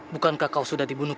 bukankah kau sudah dibunuh